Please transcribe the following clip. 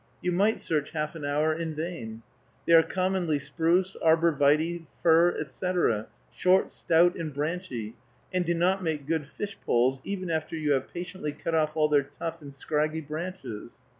You might search half an hour in vain. They are commonly spruce, arbor vitæ, fir, etc., short, stout, and branchy, and do not make good fish poles, even after you have patiently cut off all their tough and scraggy branches.